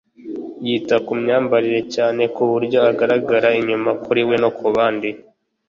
yita ku myambarire cyane n’uburyo agaragara inyuma kuri we no ku bandi